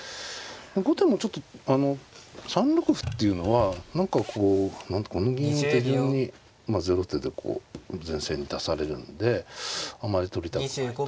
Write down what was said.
後手もちょっとあの３六歩っていうのは何かこうこの銀を手順にまあゼロ手でこう前線に出されるんであまり取りたくないと。